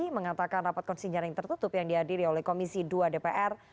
mengatakan rapat konsinjaring tertutup yang dihadiri oleh komisi dua dpr